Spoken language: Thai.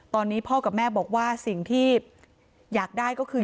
ตอนนี้พ่อกับแม่บอกว่าสิ่งที่อยากได้ก็คือ